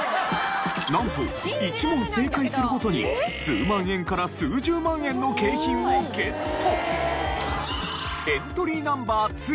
なんと１問正解するごとに数万円から数十万円の景品をゲット。